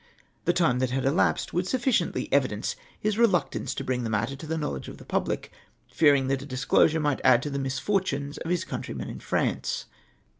The time that had elapsed would sufficiently evidence his re luctance to bring the matter to the knowledge of the public, fearing that a disclosure might add to the misfortunes of his countrymen in France.